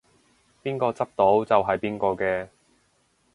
邊個執到就係邊個嘅